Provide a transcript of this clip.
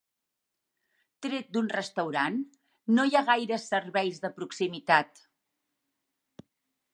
Tret d'un restaurant, no hi ha gaires serveis de proximitat.